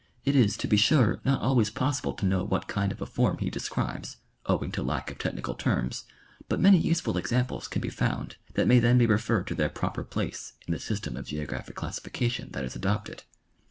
It is, to be sure, not always possi ble to know what kind of a form he describes, owing to lack of technical terms, but many useful examples can be found that may then be referred to their proper place in the system of geographic classification that is adopted.